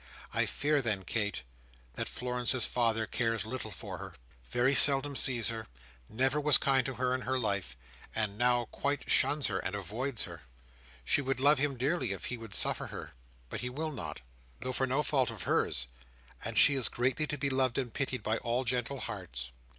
I fear then, Kate, that Florence's father cares little for her, very seldom sees her, never was kind to her in her life, and now quite shuns her and avoids her. She would love him dearly if he would suffer her, but he will not—though for no fault of hers; and she is greatly to be loved and pitied by all gentle hearts."